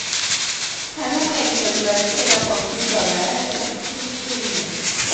Karume alichaguliwa tena kuwa Mjumbe wa Baraza la Kutunga Sheria